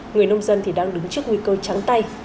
người nông dân thì đang đứng trước nguy cơ trắng tay